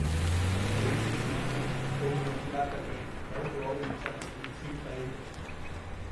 Tuʼisi sutti kom wetlatakai au joʼau bicha wiksimtaitek.